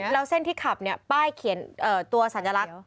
แล้วเส้นที่ขับป้ายเขียนตัวสัญลักษณ์